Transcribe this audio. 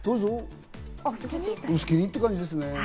お好きにって感じですかね？